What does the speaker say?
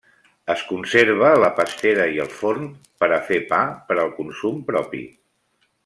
Es conserva la pastera i el forn per a fer pa per al consum propi.